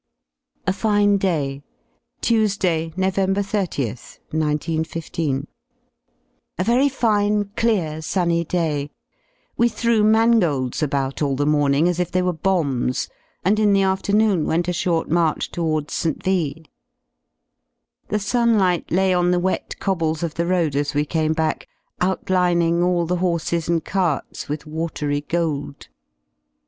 A FINE DAY * Tuesday, Nov. 3Cth, 1 9 1 5. A very fine clear sunny day. We threw mangolds about *all the morning as if they were bombs, and in the afternoon went a short march towards St. V The sunlight lay on the wet cobbles of the road as we came back, outlining all the horses and carts with watery gold.